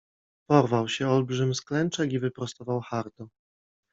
Porwał się olbrzym z klęczek i wyprostował hardo.